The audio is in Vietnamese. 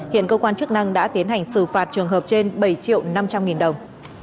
hiện cơ quan chức năng đã tiến hành xử phạt trường hợp trên bảy triệu năm trăm linh nghìn đồng